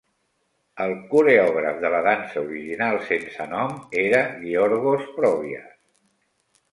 El coreògraf de la dansa original sense nom era Giorgos Provias.